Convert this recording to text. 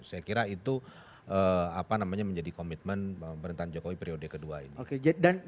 saya kira itu menjadi komitmen pemerintahan jokowi periode kedua ini